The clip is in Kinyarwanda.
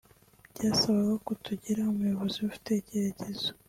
byasabaga ko tugira umuyobozi ufite icyerekezo